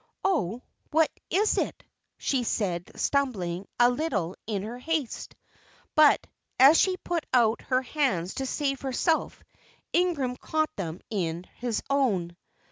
"Oh, what is it?" she said, stumbling a little in her haste. But, as she put out her hands to save herself, Ingram caught them in his own.